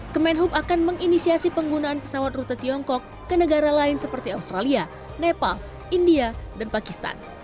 kemenhub akan menginisiasi penggunaan pesawat rute tiongkok ke negara lain seperti australia nepal india dan pakistan